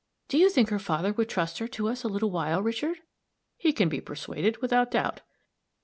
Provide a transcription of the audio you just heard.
"Do you think her father would trust her to us a little while, Richard?" "He can be persuaded, without doubt."